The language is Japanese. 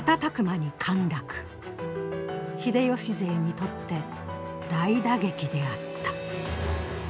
秀吉勢にとって大打撃であった。